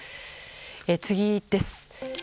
次です。